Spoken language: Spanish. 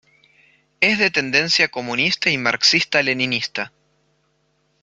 Es de tendencia comunista y marxista-leninista.